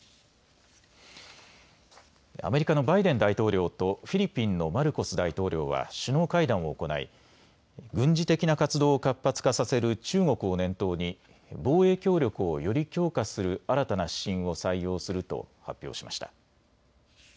アメリカのバイデン大統領とフィリピンのマルコス大統領は首脳会談を行い軍事的な活動を活発化させる中国を念頭に防衛協力をより強化する新たな指針を採用すると発表しました。